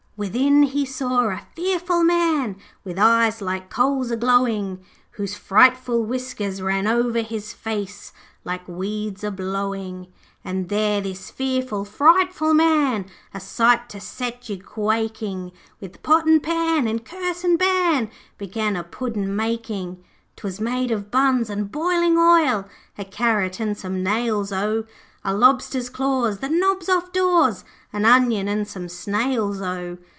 'Within he saw a fearful man, With eyes like coals a glowing, Whose frightful whiskers over ran His face, like weeds a blowing; 'And there this fearful, frightful man, A sight to set you quaking, With pot and pan and curse and ban, Began a Puddin' making. ''Twas made of buns and boiling oil, A carrot and some nails O! A lobster's claws, the knobs off doors, An onion and some snails O!